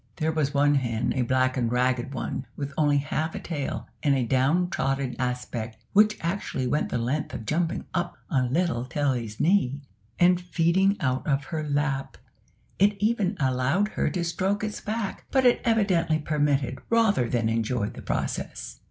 There was one hen a black and ragged one, with only half a tail, and a downtrodden aspect which actually went the length of jumping up on little Tilly's knee, and feeding out of her lap. It even allowed her to stroke its back, but it evidently permitted rather than enjoyed the process.